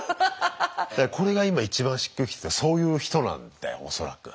これが今一番しっくりきててそういう人なんだよ恐らく。